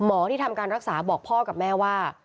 หมอที่ทำรักษาบอกพ่อกับแม่ว่า